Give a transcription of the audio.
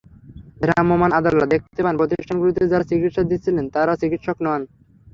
ভ্রাম্যমাণ আদালত দেখতে পান প্রতিষ্ঠানগুলোতে যাঁরা চিকিৎসা দিচ্ছিলেন, তাঁরা চিকিৎসক নন।